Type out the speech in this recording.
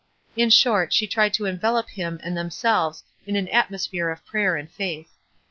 In short she tried to envelop him and themselves in un atmosphere of prayer and faith.